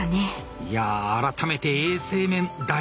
いや改めて衛生面大事ですね。